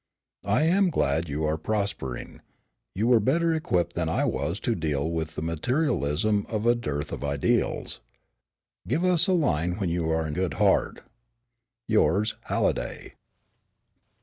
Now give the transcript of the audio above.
"I am glad you are prospering. You were better equipped than I was with a deal of materialism and a dearth of ideals. Give us a line when you are in good heart. "Yours, HALLIDAY.